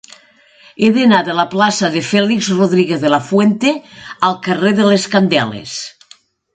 He d'anar de la plaça de Félix Rodríguez de la Fuente al carrer de les Candeles.